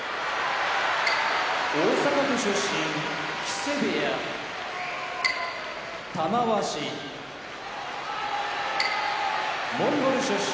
大阪府出身木瀬部屋玉鷲モンゴル出身